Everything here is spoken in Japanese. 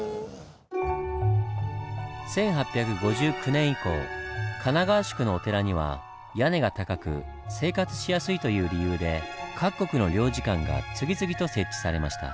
１８５９年以降神奈川宿のお寺には屋根が高く生活しやすいという理由で各国の領事館が次々と設置されました。